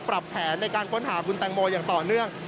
ปรับแผนในการค้นหาคุณแตงโมอย่างต่อเนื่อง